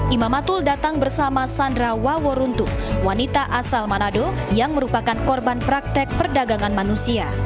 imam matul datang bersama sandra waworuntu wanita asal manado yang merupakan korban praktek perdagangan manusia